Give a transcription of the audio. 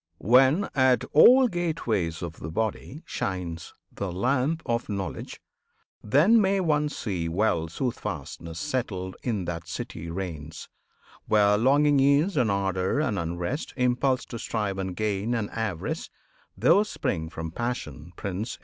When at all gateways of the Body shines The Lamp of Knowledge, then may one see well Soothfastness settled in that city reigns; Where longing is, and ardour, and unrest, Impulse to strive and gain, and avarice, Those spring from Passion Prince!